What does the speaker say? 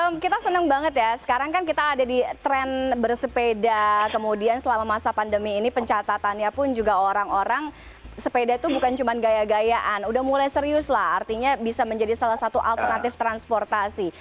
oke kita seneng banget ya sekarang kan kita ada di tren bersepeda kemudian selama masa pandemi ini pencatatannya pun juga orang orang sepeda itu bukan cuma gaya gayaan udah mulai serius lah artinya bisa menjadi salah satu alternatif transportasi